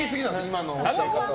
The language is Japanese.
今の教え方も。